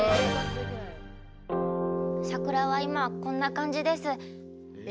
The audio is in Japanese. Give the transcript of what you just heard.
桜は今こんな感じです。